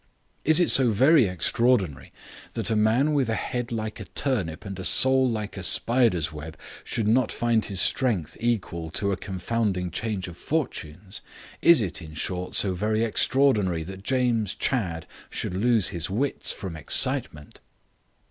Is it so very extraordinary that a man with a head like a turnip and a soul like a spider's web should not find his strength equal to a confounding change of fortunes? Is it, in short, so very extraordinary that James Chadd should lose his wits from excitement?"